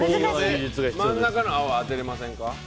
真ん中の青、当てられませんか。